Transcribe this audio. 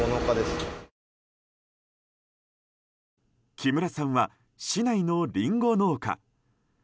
木村さんは市内のリンゴ農家。